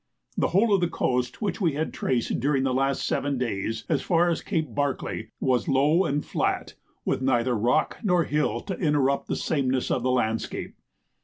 The whole of the coast which we had traced during the last seven days, as far as Cape Barclay, was low and flat, with neither rock nor hill to interrupt the sameness of the landscape.